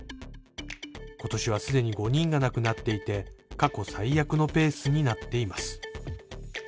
今年はすでに５人が亡くなっていて過去最悪のペースになっています